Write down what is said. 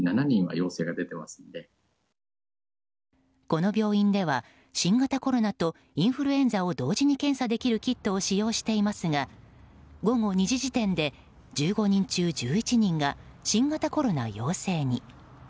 この病院では新型コロナとインフルエンザを同時に検査できるキットを使用していますが午後２時時点で１５人中１１人が新型コロナ陽性に。